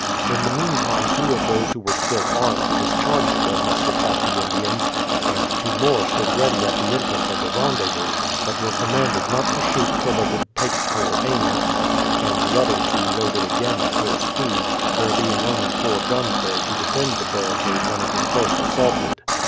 In the mean time two of those who were still armed discharged their muskets at the Indians ; and tv/o more stood ready at the entrance of the rendezvous, but were commanded not to shoot till they could take fell aim at them; and the other two loaded again at full speed, there being only four gims there to defend the barricade when it was first assaulted.